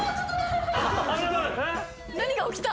・何が起きた！？